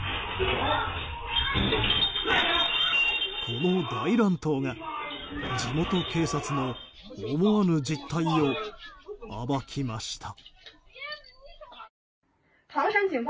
この大乱闘が、地元警察の思わぬ実態を暴きました。